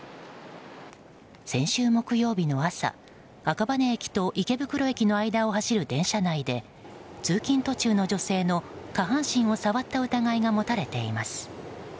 先週木曜日の朝、赤羽駅と池袋駅の間を走る電車内で通勤途中の女性の下半身を触った疑いが持たれています。